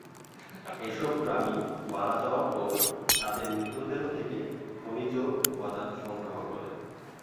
এসব প্রাণী মারা যাওয়ার পর তাদের মৃতদেহ থেকে খনিজ উপাদান সংগ্রহ করে।